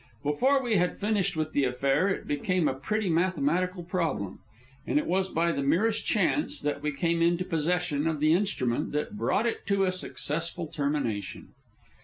Before we had finished with the affair, it became a pretty mathematical problem, and it was by the merest chance that we came into possession of the instrument that brought it to a successful termination.